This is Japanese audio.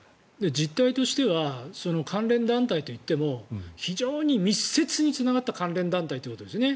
実態としては関連団体といっても非常に密接につながった関連団体ということですよね。